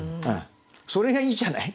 それがいいじゃない。